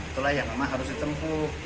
itulah yang memang harus ditempuh